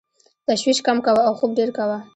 تشویش کم کوه او خوب ډېر کوه .